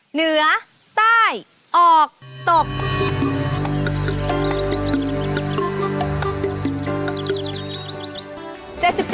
เหนือใต้ออกตก